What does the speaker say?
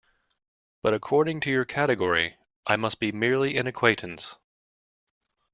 But according to your category I must be merely an acquaintance.